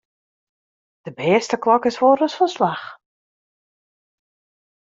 De bêste klok is wolris fan 'e slach.